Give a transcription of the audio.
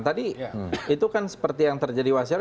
tadi itu kan seperti yang terjadi wasil